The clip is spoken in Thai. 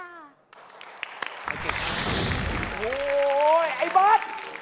โอ้โหไอ้บอส